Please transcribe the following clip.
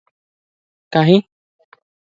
କାହିଁ?